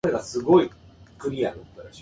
文章が不足してて課題が終わらない